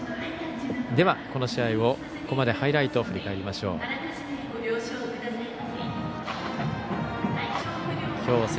では、この試合をハイライトで振り返りましょう。